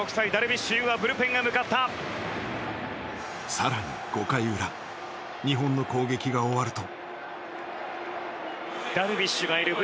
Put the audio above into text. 更に５回裏日本の攻撃が終わると。